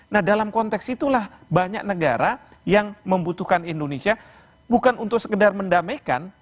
nah dalam konteks itulah banyak negara yang membutuhkan indonesia bukan untuk sekedar mendamaikan